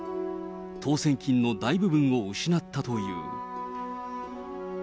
当せん金の大部分を失ったという。